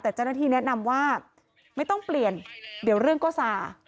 แต่เจ้าหน้าที่แนะนำว่าไม่ต้องเปลี่ยนเดี๋ยวเรื่องก็สา